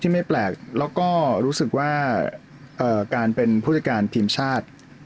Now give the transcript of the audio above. ไม่แปลกแล้วก็รู้สึกว่าการเป็นผู้จัดการทีมชาติ